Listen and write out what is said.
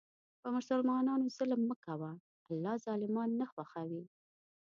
پر مسلمانانو ظلم مه کوه، الله ظالمان نه خوښوي.